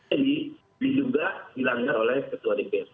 jadi di duga dilanggar oleh ketua dprd